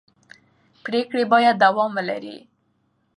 پرېکړې باید دوام ولري